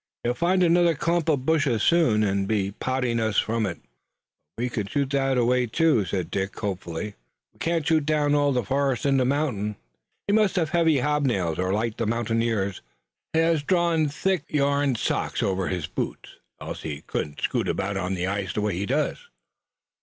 He'll find another clump of bushes soon and be potting us from it." "But we can shoot that away too," said Dick hopefully. "We can't shoot down all the forests on the mountain. He must have heavy hobnails, or, like the mountaineers, he has drawn thick yarn socks over his boots, else he couldn't scoot about on the ice the way he does."